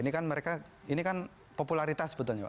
ini kan mereka ini kan popularitas sebetulnya